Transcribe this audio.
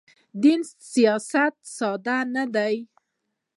دین سیاست ساده نه دی.